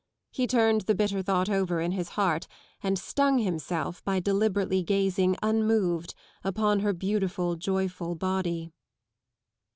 He turned the bitter thought over in his heart and stung himself by deliberately gazing unmoved upon her beautiful joyful body.